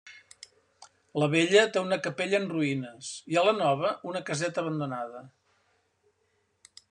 La vella té una capella en ruïnes, i a la nova una caseta abandonada.